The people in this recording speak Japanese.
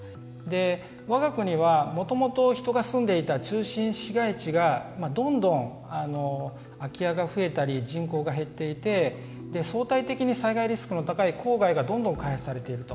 わが国はもともと人が住んでいた中心市街地がどんどん空き家が増えたり人口が減っていて相対的に災害リスクの高い郊外がどんどん開発されていると。